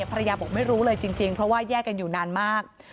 บอกไม่รู้เลยจริงเพราะว่าแยกกันอยู่นานมาก